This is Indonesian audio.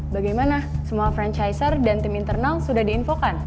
bagaimana semua franchizer dan tim internal sudah diinfokan